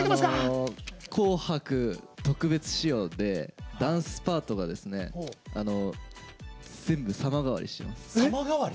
「紅白」特別仕様でダンスパートが全部、様変わりしてます。